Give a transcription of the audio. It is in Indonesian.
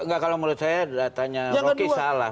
enggak kalau menurut saya datanya rocky salah